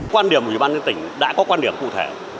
quan điểm của ở bàn dinh tỉnh đã có quan điểm cụ thể